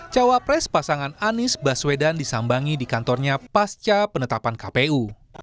cawapres pasangan anies baswedan disambangi di kantornya pasca penetapan kpu